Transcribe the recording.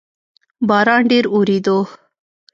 باران ډیر اووریدو